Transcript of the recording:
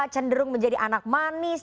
cenderung menjadi anak manis